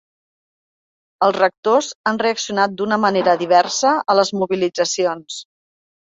Els rectors han reaccionat d’una manera diversa a les mobilitzacions.